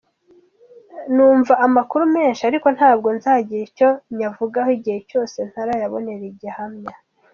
Numva amakuru menshi, ariko ntabwo nzagira icyo nyavugaho igihe cyose ntarayabonera gihamya.”